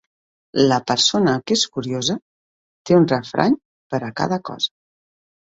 La persona que és curiosa té un refrany per a cada cosa.